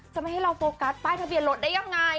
จะไม่ให้เราโฟกัสป้ายทะเบียนรถได้ยังไง